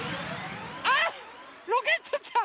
あっロケットちゃん。